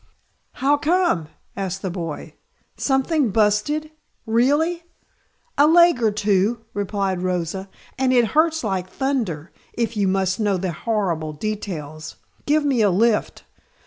"How come?" asked the boy. "Something 'busted', really?" "A leg or two," replied Rosa, "and it hurts like thunder, if you must know the horrible details. Give me a lift.